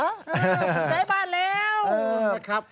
ได้บ้านแล้ว